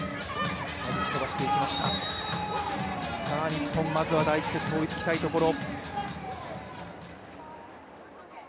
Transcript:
日本、まずは第１セット追いつきたいところ。